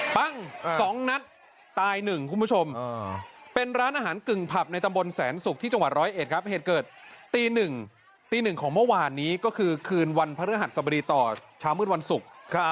ปั้ง๒นัดตาย๑คุณผู้ชมเป็นร้านอาหารกึ่งผับในตำบลแสนศุกร์ที่จังหวัดร้อยเอ็ดครับเหตุเกิดตี๑ตีหนึ่งของเมื่อวานนี้ก็คือคืนวันพระฤหัสสบดีต่อเช้ามืดวันศุกร์